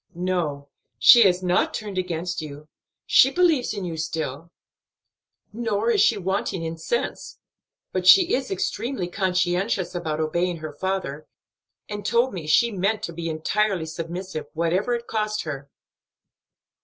"No, she has not turned against you, she believes in you still; nor is she wanting in sense; but she is extremely conscientious about obeying her father, and told me she meant to be entirely submissive, whatever it cost her."